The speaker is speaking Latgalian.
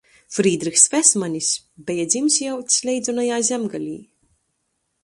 Frīdrihs Vesmanis beja dzims i audzs leidzonajā Zemgalē.